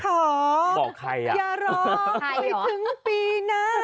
อย่าหรอกไม่ถึงปีหน้า